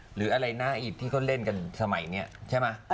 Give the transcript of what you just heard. หรืออะไรน่าอิดที่เขาเล่นกันสมัยนี้ใช่ไหม